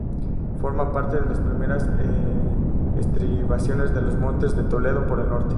Forma parte de las primeras estribaciones de los Montes de Toledo por el norte.